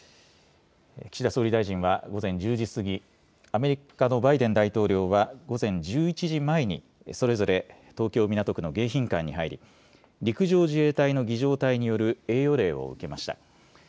岸田総理大臣は午前１０時過ぎ、アメリカのバイデン大統領は午前１１時前にそれぞれ東京港区の迎賓館に入り陸上自衛隊の儀じょう隊による栄誉礼を受けました。